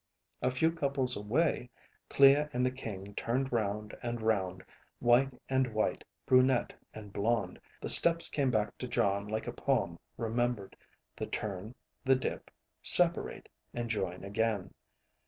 A few couples away, Clea and the King turned round and round, white and white, brunette and blond. The steps came back to Jon like a poem remembered, the turn, the dip, separate, and join again.